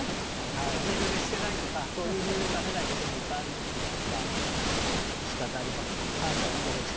お昼寝してないとかそういった理由で食べないこともいっぱいありますがしかたありません。